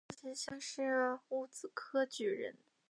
万历十六年江西乡试戊子科举人。